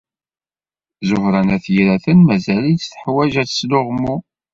Ẓuhṛa n At Yiraten mazal-itt teḥwaj ad tesleɣmu.